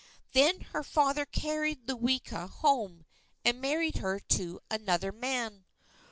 Then her father carried Ludwika home, and married her to another man.